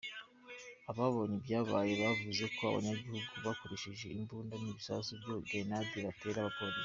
Ababonye ibyabaye bavuze ko abanyagihugu bakoresheje imbunda n'ibisasu bya grenade batera abapolisi.